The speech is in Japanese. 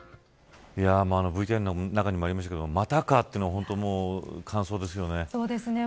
ＶＴＲの中にもありましたがまたか、というのは本当に感想ですね。